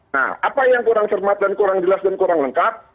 nah apa yang kurang cermat dan kurang jelas dan kurang lengkap